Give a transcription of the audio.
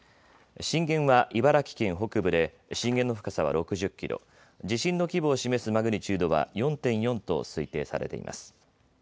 震源は茨城県北部で震源の深さは６０キロ、地震の規模を示すマグニチュードは４．４と推定されています。